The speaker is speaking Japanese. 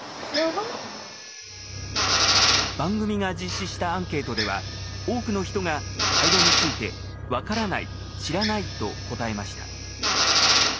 番組が実施したアンケートでは多くの人が廃炉について「分からない」「知らない」と答えました。